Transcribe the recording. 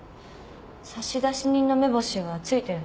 差出人の目星はついてるの？